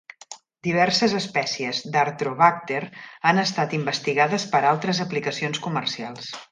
Diverses espècies d'Artrobacter han estat investigades per altres aplicacions comercials.